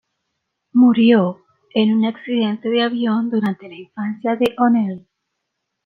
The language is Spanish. Murió en un accidente de avión durante la infancia de O'Neil.